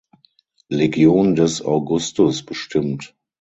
Legion des Augustus bestimmt.